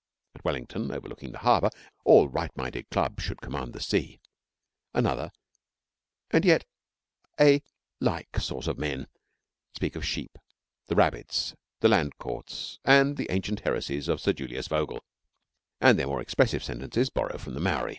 At Wellington, overlooking the harbour (all right minded clubs should command the sea), another, and yet a like, sort of men speak of sheep, the rabbits, the land courts, and the ancient heresies of Sir Julius Vogel; and their more expressive sentences borrow from the Maori.